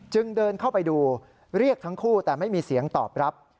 เดินเข้าไปดูเรียกทั้งคู่แต่ไม่มีเสียงตอบรับ